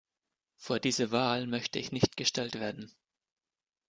Vor diese Wahl möchte ich nicht gestellt werden.